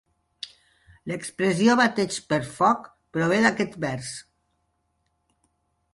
L'expressió "bateig per foc" prové d'aquest vers.